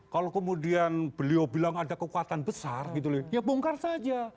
kalau kemudian beliau bilang ada kekuatan besar gitu ya bongkar saja